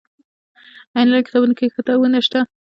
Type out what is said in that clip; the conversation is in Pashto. انلاين کتابتون کي ښه کتابونه هم شته